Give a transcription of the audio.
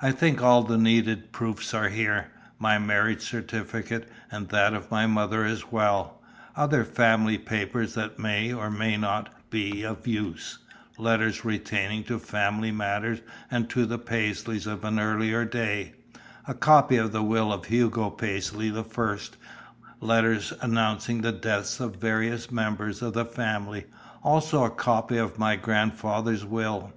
"I think all the needed proofs are here; my marriage certificate, and that of my mother as well; other family papers that may, or may not, be of use letters relating to family matters and to the Paisleys of an earlier day a copy of the will of Hugo Paisley the first, letters announcing the deaths of various members of the family; also a copy of my grandfather's will.